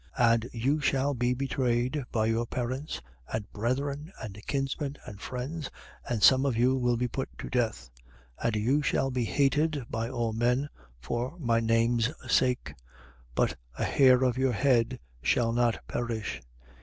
21:16. And you shall be betrayed by your parents and brethren and kinsmen and friends: and some of you they will put to death. 21:17. And you shall be hated by all men for my name's sake. 21:18. But a hair of your head shall not perish.